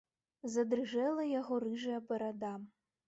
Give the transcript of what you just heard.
Задрыжэла яго рыжая барада.